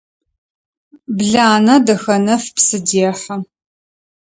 Бланэ Дахэнэф псы дехьы.